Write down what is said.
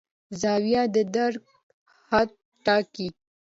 زاویه د درک حد ټاکي.